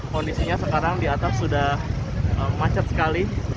kondisinya sekarang di atas sudah macet sekali